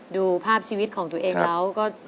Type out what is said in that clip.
ดูภาพชีวิตของตัวเองแล้วก็